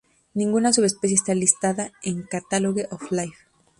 Ninguna subespecie está listada en Catalogue of Life.